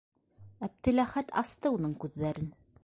Әптеләхәт асты уның күҙҙәрен.